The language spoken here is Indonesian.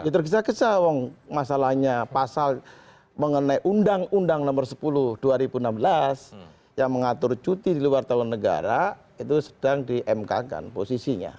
tergesa gesa wong masalahnya pasal mengenai undang undang nomor sepuluh dua ribu enam belas yang mengatur cuti di luar tahun negara itu sedang di mk kan posisinya